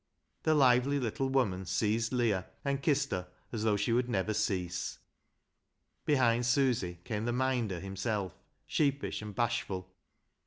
The loo BECKSIDE LIGHTS lively little woman seized Leah and kissed her as though she would never cease. Behind Susy came the " Minder " himself — sheepish and bashful.